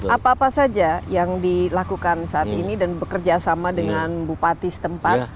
apa apa saja yang dilakukan saat ini dan bekerja sama dengan bupati setempat